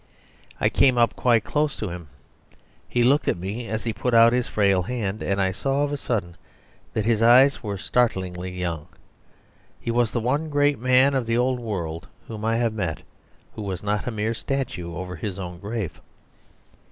I came up quite close to him; he looked at me as he put out his frail hand, and I saw of a sudden that his eyes were startlingly young. He was the one great man of the old world whom I have met who was not a mere statue over his own grave.